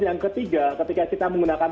yang ketiga ketika kita menggunakan